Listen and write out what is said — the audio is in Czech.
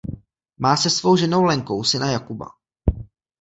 Má se svou ženou Lenkou syna Jakuba.